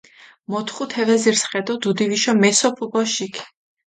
მოთხუ თე ვეზირს ხე დო დუდი ვიშო მესოფუ ბოშიქ.